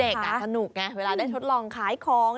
คือเด็กอ่ะสนุกไงเวลาได้ชดลองขายของ